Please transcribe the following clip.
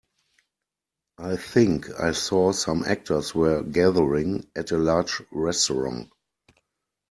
I think I saw some actors were gathering at a large restaurant.